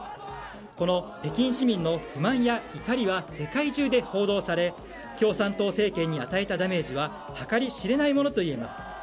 この北京市民の不満や怒りは世界中で報道され共産党政権に与えたダメージは計り知れないものと言えます。